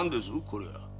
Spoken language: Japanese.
これは。